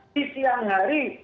di siang hari